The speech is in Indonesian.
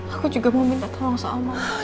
aku juga mau minta tolong sama mama soal itu